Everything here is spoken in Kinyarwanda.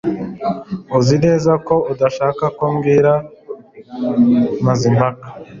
Uzi neza ko udashaka ko mbwira Mazimpaka